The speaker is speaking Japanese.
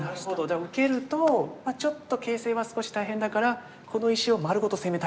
じゃあ受けるとちょっと形勢は少し大変だからこの石を丸ごと攻めたいと。